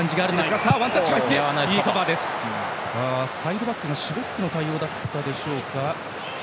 サイドバックの絞っての対応だったでしょうか。